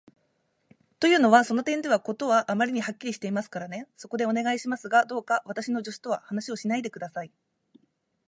というのは、その点では事はあまりにはっきりしていますからね。そこで、お願いしますが、どうか私の助手とは話をしないで下さい。